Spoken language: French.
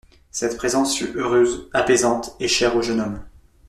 Cette présence fut heureuse, apaisante et chère au jeune homme.